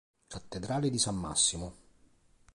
Cattedrale di San Massimo